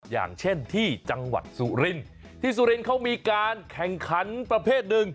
อย่างเช่นที่จังหวัดสุรินที่สุรินทร์เขามีการแข่งขันประเภทหนึ่ง